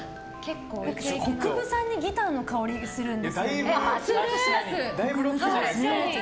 國分さんにギターの香りがするんですよね。